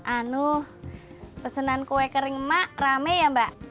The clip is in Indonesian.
anu pesenan kue kering mak rame ya mbak